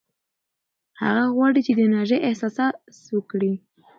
هغه غواړي چې د انرژۍ احساس وکړي.